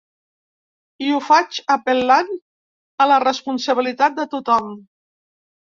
I ho faig apel·lant a la responsabilitat de tothom.